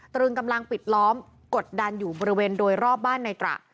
ตรึงกำลังปิดล้อมกดดันอยู่บริเวณโดยรอบบ้านในตระ